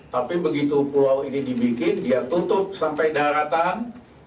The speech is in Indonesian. tapi begitu pulau ini dibikin dia tutup sampai daratan